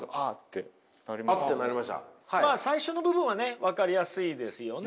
最初の部分はね分かりやすいですよね。